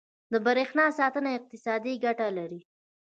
• د برېښنا ساتنه اقتصادي ګټه لري.